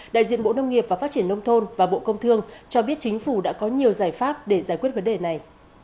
đại diện bộ nông nghiệp và phát triển nông thôn và bộ công thương cho biết chính phủ đã có nhiều giải pháp để giải quyết vấn đề này